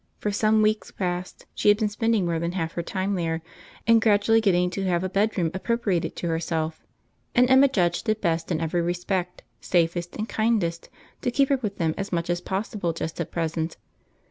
For some weeks past she had been spending more than half her time there, and gradually getting to have a bed room appropriated to herself; and Emma judged it best in every respect, safest and kindest, to keep her with them as much as possible just at present.